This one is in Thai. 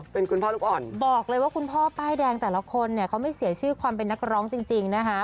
เป็นคุณพ่อลูกอ่อนบอกเลยว่าคุณพ่อป้ายแดงแต่ละคนเนี่ยเขาไม่เสียชื่อความเป็นนักร้องจริงนะคะ